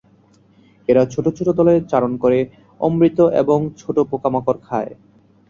এরা ছোট ছোট দলে চারণ করে, অমৃত এবং ছোট পোকামাকড় খায়।